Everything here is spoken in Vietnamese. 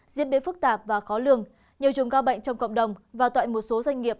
diễn biến phức tạp và khó lương nhiều dùng ca bệnh trong cộng đồng và toại một số doanh nghiệp